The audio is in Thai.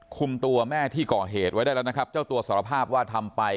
คุมตัวแม่ที่ก่อเหตุไว้ได้แล้วนะครับเจ้าตัวสารภาพว่าทำไป